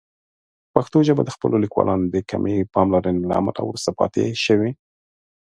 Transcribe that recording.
پښتو ژبه د خپلو لیکوالانو د کمې پاملرنې له امله وروسته پاتې شوې.